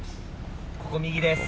ここ右です。